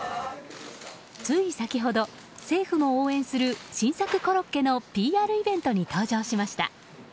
つい先ほど政府も応援する新作コロッケのＰＲイベントに登場しました。